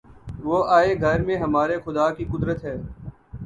وہ آئے گھر میں ہمارے‘ خدا کی قدرت ہے!